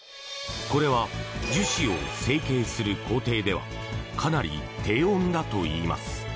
これは樹脂を成型する工程ではかなり低温だといいます。